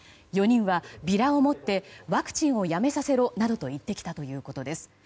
４人はビラを持ってワクチンをやめさせろなどと言ってきたということです。